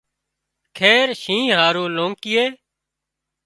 خير شينهن هارو لونڪيئي